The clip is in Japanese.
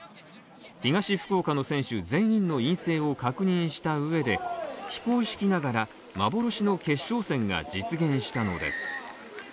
東福岡の選手全員の陰性を確認したうえで非公式ながら幻の決勝戦が実現したのです。